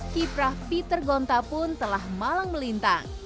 kiprah peter gonta pun telah malang melintang